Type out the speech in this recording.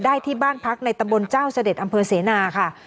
ที่บ้านพักในตำบลเจ้าเสด็จอำเภอเสนาค่ะ